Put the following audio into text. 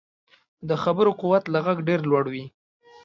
د خبرو قوت له غږ ډېر لوړ وي